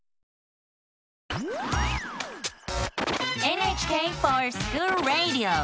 「ＮＨＫｆｏｒＳｃｈｏｏｌＲａｄｉｏ」！